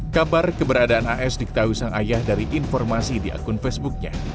kabar keberadaan as diketahui sang ayah dari informasi di akun facebooknya